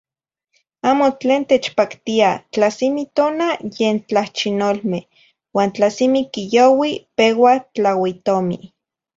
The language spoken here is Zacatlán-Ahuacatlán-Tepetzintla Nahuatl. Amo tlen techpactia, tla simi tona yen tlahchinolmeh, uan tla simi quiyoui peua tlaoitomi.